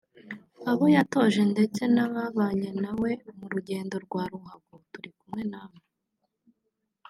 abo yatoje ndetse n'ababanye nawe mu rugendo rwa ruhago turi kumwe namwe